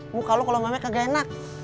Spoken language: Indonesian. muka lu kalo mewek kagak enak